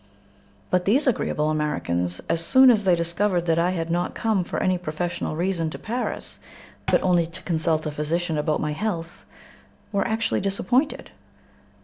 But these agreeable Americans, as soon as they discovered that I had not come for any professional reason to Paris, but only to consult a physician about my health, were actually disappointed.